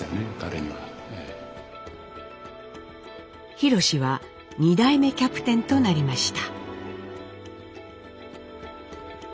ひろしは２代目キャプテンとなりました。